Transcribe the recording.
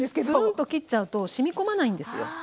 ずんと切っちゃうとしみ込まないんですよ。